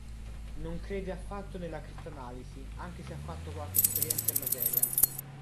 Non crede affatto nella crittanalisi, anche se ha fatto qualche esperienza in materia.